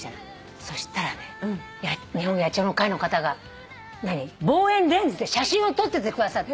そしたらね日本野鳥の会の方が望遠レンズで写真を撮っててくださって。